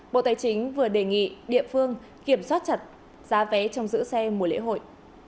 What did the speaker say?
bộ tài chính vừa đề nghị địa phương kiểm soát chặt giá vé trong giữ xe mùa lễ hội